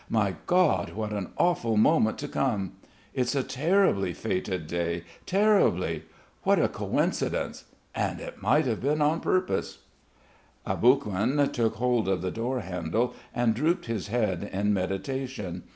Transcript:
"My God, what an awful moment to come! It's a terribly fated day ... terribly! What a coincidence ... and it might have been on purpose!" Aboguin took hold of the door handle and drooped his head in meditation.